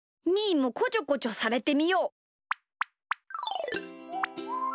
ーもこちょこちょされてみよう。